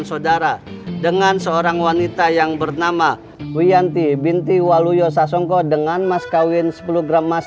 saudara dengan seorang wanita yang bernama wiyanti binti waluyo sasongko dengan mas kawin sepuluh gram mas